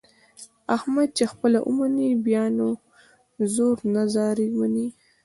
احمد چې خپله ومني بیا نه زور نه زارۍ مني.